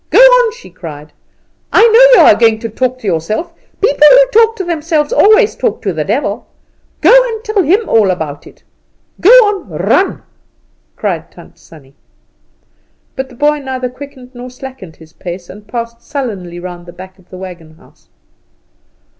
"Go on," she cried; "I know you are going to talk to yourself. People who talk to themselves always talk to the devil. Go and tell him all about it. Go, go! run!" cried Tant Sannie. But the boy neither quickened nor slackened his pace, and passed sullenly round the back of the wagon house.